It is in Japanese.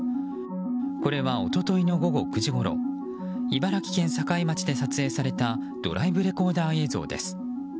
これは一昨日の午後９時ごろ茨城県境町で撮影されたドライブレコーダー映像です。